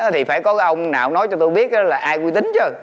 thì phải có ông nào nói cho tôi biết là ai quy tính chứ